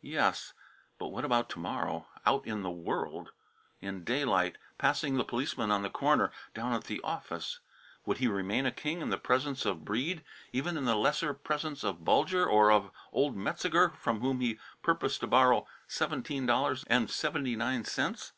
Yes; but what about to morrow out in the world? in daylight, passing the policeman on the corner, down at the office? Would he remain a king in the presence of Breede, even in the lesser presence of Bulger, or of old Metzeger from whom he purposed to borrow seventeen dollars and seventy nine cents?